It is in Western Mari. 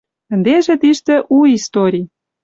Ӹндежӹ тиштӹ у истори —